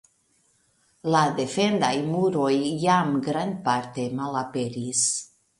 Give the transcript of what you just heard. La defendaj muroj jam grandparte malaperis.